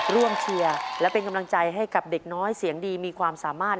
เชียร์และเป็นกำลังใจให้กับเด็กน้อยเสียงดีมีความสามารถ